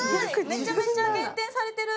めちゃめちゃ減点されてる。